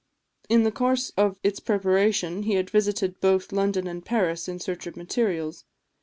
In the course of its preparation he had visited both London and Paris in search of materials.